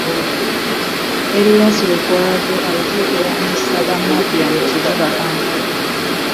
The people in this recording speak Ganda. Erias Lukwago aweze okulwanyisa ba mafiya mu Kibuga Kampala.